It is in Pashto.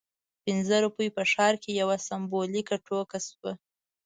پنځه روپۍ په ښار کې یوه سمبولیکه ټوکه شوه.